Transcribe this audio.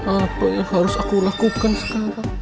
apa yang harus aku lakukan sekarang